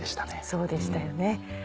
そうでしたよね。